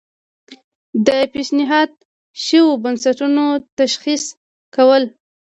د پیشنهاد شویو بستونو تشخیص کول.